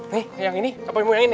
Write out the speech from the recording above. nih yang ini apa yang mau yang ini